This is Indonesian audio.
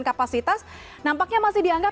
kapasitas nampaknya masih dianggap